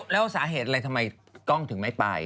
แล้วสาเหตุอะไรทำไมกล้องถึงไม่ไป